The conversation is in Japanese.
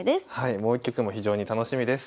もう一局も非常に楽しみです。